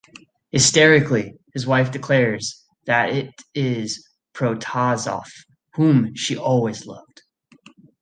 Hysterically, his wife declares that it is Protasov whom she always loved.